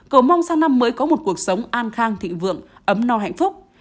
cầu mong sang năm mới có một cuộc sống an khang thịnh vượng ấm no hạnh phúc